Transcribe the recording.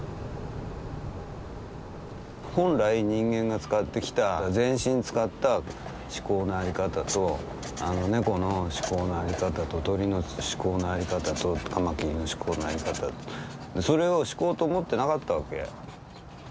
本来人間が使ってきた全身使った思考の在り方と猫の思考の在り方と鳥の思考の在り方とカマキリの思考の在り方それを思考と思ってなかったわけ。